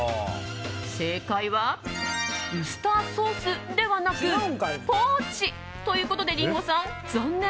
正解はウスターソースではなくポーチということでリンゴさん、残念。